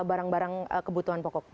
barang barang kebutuhan pokok